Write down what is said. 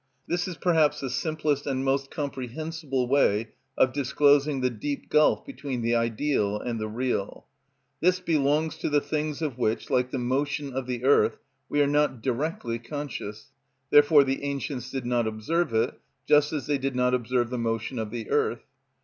This is perhaps the simplest and most comprehensible way of disclosing the deep gulf between the ideal and the real. This belongs to the things of which, like the motion of the earth, we are not directly conscious; therefore the ancients did not observe it, just as they did not observe the motion of the earth.